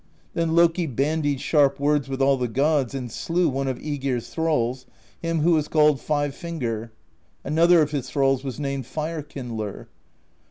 Then Loki bandied sharp words with all the gods, and slew one of iEgir's thralls, him who was called Five Finger; another of his thralls was named Fire Kindler.